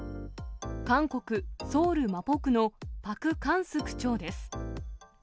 韓国・ソウルマポ区のパク・カンス区長です。